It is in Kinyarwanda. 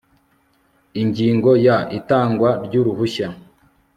ingingo ya itangwa ry uruhushya